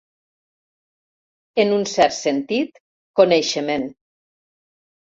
En un cert sentit, coneixement.